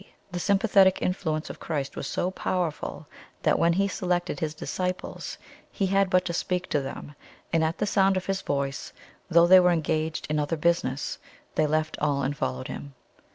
The sympathetic influence of Christ was so powerful that when He selected His disciples, He had but to speak to them, and at the sound of His voice, though they were engaged in other business, 'THEY LEFT ALL AND FOLLOWED HIM."